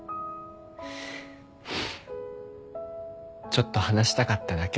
ちょっと話したかっただけ。